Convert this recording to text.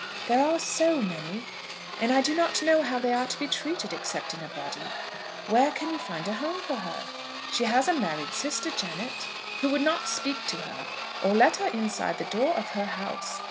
"There are so many, and I do not know how they are to be treated except in a body. Where can you find a home for her?" "She has a married sister, Janet." "Who would not speak to her, or let her inside the door of her house!